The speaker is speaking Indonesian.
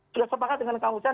sudah sepakat dengan kang ujang